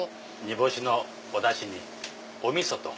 煮干しのおダシにおみそと。